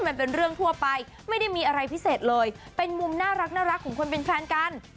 มันเป็นเรื่องทั่วไปไม่ได้มีอะไรพิเศษเลยเป็นมุมน่ารักของคนเป็นแฟนกัน